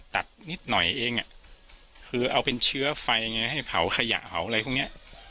ตัดนิดหน่อยเองคือเอาเป็นเชื้อไฟไงให้เผาขยะเผาอะไรพวกเนี้ย